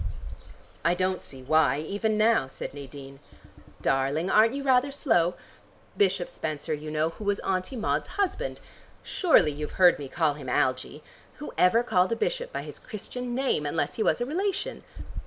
"I don't see why, even now," said Nadine. "Darling, aren't you rather slow? Bishop Spenser, you know, who was Auntie Maud's husband. Surely you've heard me call him Algie. Who ever called a bishop by his Christian name unless he was a relation?